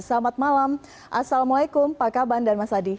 selamat malam assalamualaikum pak kaban dan mas adi